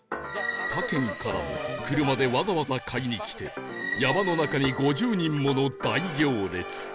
他県からも車でわざわざ買いに来て山の中に５０人もの大行列